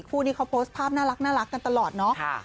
คู่นี้เขาโพสต์ภาพน่ารักกันตลอดเนาะ